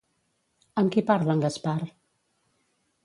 Amb qui parla en Gaspar?